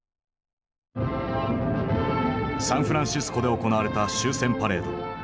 サンフランシスコで行われた終戦パレード。